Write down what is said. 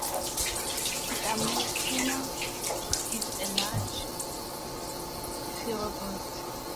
"Siamotyrannus" is a large theropod.